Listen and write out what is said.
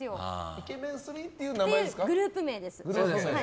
イケメン３というグループ名です。